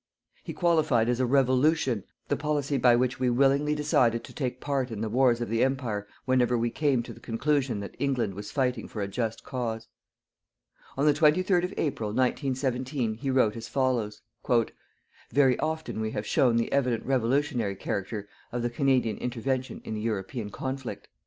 He qualified as a Revolution the policy by which we willingly decided to take part in the wars of the Empire whenever we came to the conclusion that England was fighting for a just cause. On the 23rd of April, 1917, he wrote as follows: "_Very often we have shown the evident revolutionary character of the Canadian intervention in the European conflict.